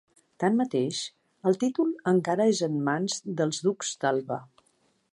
Tanmateix, el títol encara és en mans dels ducs d'Alba.